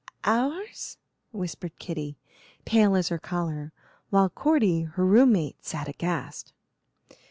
"Ours?" whispered Kitty, pale as her collar, while Cordy, her room mate, sat aghast.